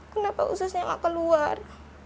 kenapa ususnya nggak keluar